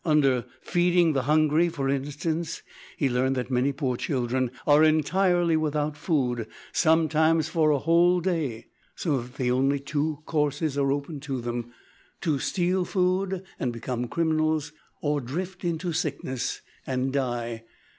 Under "Feeding the Hungry," for instance, he learned that many poor children are entirely without food, sometimes, for a whole day, so that only two courses are open to them to steal food and become criminals, or drift into sickness and die.